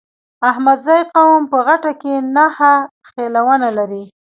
احمدزی قوم په غټه کې نهه خيلونه لري.